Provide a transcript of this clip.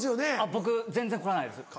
僕全然凝らないです。